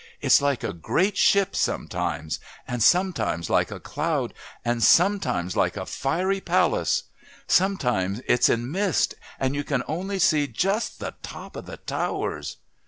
it's like a great ship sometimes, and sometimes like a cloud, and sometimes like a fiery palace. Sometimes it's in mist and you can only see just the top of the towers...."